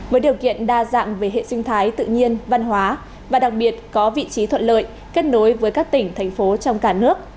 với điều kiện đa dạng về hệ sinh thái tự nhiên văn hóa và đặc biệt có vị trí thuận lợi kết nối với các tỉnh thành phố trong cả nước